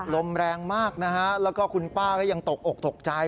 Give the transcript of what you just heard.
ลมแรงมากนะฮะแล้วก็คุณป้าก็ยังตกอกตกใจ